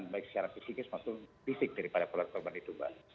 baik secara fisiknya semakin fisik daripada korban itu mbak